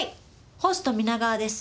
ホスト皆川です。